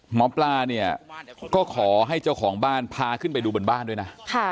หมอปลาเนี่ยก็ขอให้เจ้าของบ้านพาขึ้นไปดูบนบ้านด้วยนะ